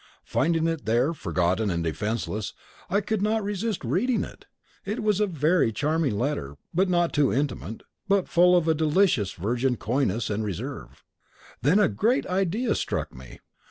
Finding it there, forgotten and defenseless, I could not resist reading it. It was a very charming letter, not too intimate, but full of a delicious virgin coyness and reserve. Then a great idea struck me.